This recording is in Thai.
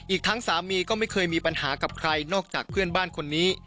อีกทั้งสามีก็ไม่เคยมีปัญหากับใครนอกจากเพื่อนบ้านคนนี้